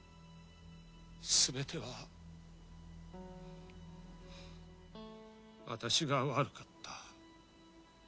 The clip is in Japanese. すべては私が悪かった。